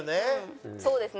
そうですね。